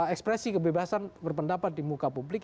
ekspresi kebebasan berpendapat di muka publik